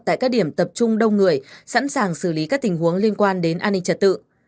tại các điểm tập trung đông người sẵn sàng xử lý các tình huống liên quan đến an ninh trật tự